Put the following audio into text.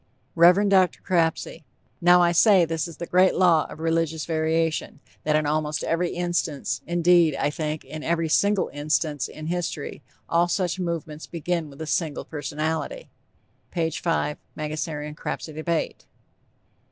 REV. DR. CRAPSEY: "Now, I say this is the great law of religious variation, that in almost every instance, indeed, I think, in every single instance in history, all such movements begin with a single personality." (P. 5, _Mangasarian Crapsey Debate.